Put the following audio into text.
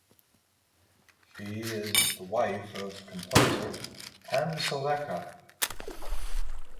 She is the wife of composer Hamsalekha.